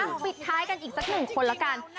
ปิดท้ายกันอีกสักหนึ่งคนละกัน